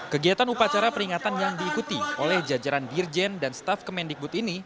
kegiatan upacara peringatan yang diikuti oleh jajaran dirjen dan staf kemendikbud ini